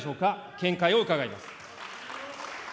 見解を伺います。